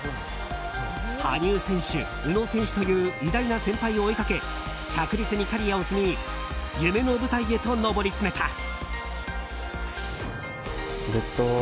羽生選手、宇野選手という偉大な先輩を追いかけ着実にキャリアを積み夢の舞台へと上り詰めた。